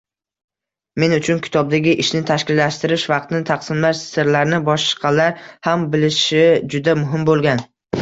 Men uchun kitobdagi ishni tashkillashtirish, vaqtni taqsimlash sirlarini boshqalar ham bilishi juda muhim boʻlgan.